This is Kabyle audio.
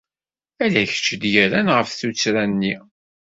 Ala kecc ay d-yerran ɣef tuttra-nni.